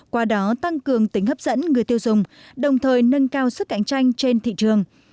qua đó tăng cường tính hấp dẫn người tiêu dùng đồng thời nâng cao sức cạnh tranh trên thị trường